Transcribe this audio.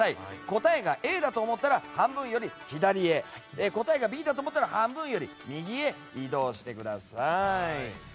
答えがＡと思ったら半分より左へ答えがＢだと思ったら半分より右へ移動してください。